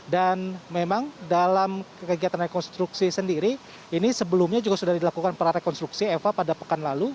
memang dalam kegiatan rekonstruksi sendiri ini sebelumnya juga sudah dilakukan prarekonstruksi eva pada pekan lalu